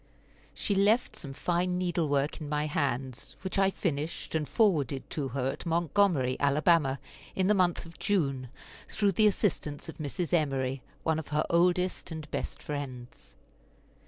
She left some fine needle work in my hands, which I finished, and forwarded to her at Montgomery, Alabama, in the month of June, through the assistance of Mrs. Emory, one of her oldest and best friends.